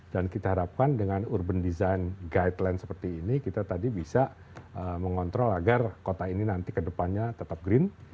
dan kita harapkan dengan urban design guideline seperti ini kita tadi bisa mengontrol agar kota ini nanti kedepannya tetap green